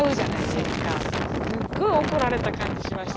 すっごい怒られた感じしました。